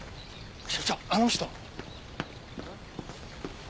所長あの人。